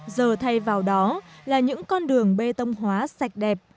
giờ thay vào đó là những con đường bê tông hóa sạch đẹp